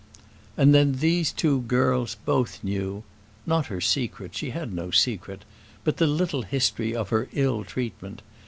And then these two girls both knew not her secret: she had no secret but the little history of her ill treatment.